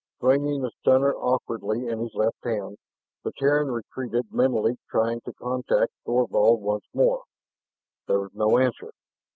Swinging the stunner awkwardly in his left hand, the Terran retreated, mentally trying to contact Thorvald once more. There was no answer.